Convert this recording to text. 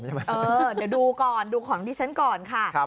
เดี๋ยวดูก่อนดูของดิฉันก่อนค่ะ